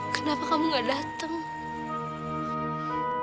kenapa kamu gak datang